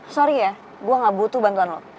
sorry ya gue gak butuh bantuan lo